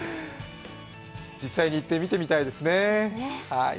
実際に行って見てみたいですね。